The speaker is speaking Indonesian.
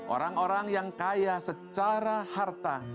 orang orang yang kaya secara harta